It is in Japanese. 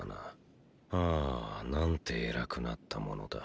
ああ何て偉くなったものだ。